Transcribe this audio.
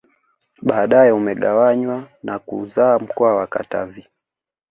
Baadae umegawanywa na kuzaa mkoa wa Katavi